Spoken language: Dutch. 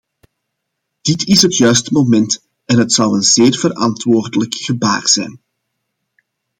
Dit is het juiste moment en het zou een zeer verantwoordelijk gebaar zijn.